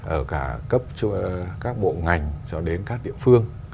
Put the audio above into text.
ở cả cấp các bộ ngành cho đến các địa phương